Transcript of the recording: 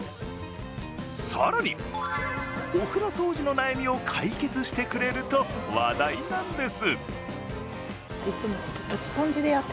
更にお風呂掃除の悩みを解決してくれると話題なんです。